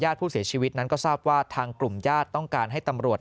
ผู้เสียชีวิตนั้นก็ทราบว่าทางกลุ่มญาติต้องการให้ตำรวจ